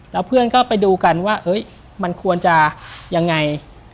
แล้วเพื่อนก็ไปดูกันว่าเฮ้ยมันควรจะยังไง